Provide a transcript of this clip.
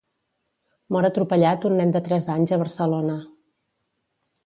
Mor atropellat un nen de tres anys a Barcelona.